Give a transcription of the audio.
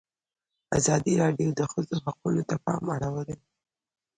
ازادي راډیو د د ښځو حقونه ته پام اړولی.